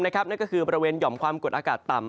นั่นก็คือบริเวณหย่อมความกดอากาศต่ำ